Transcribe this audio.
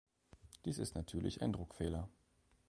Dies ist natürlich ein Druckfehler.